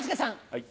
はい。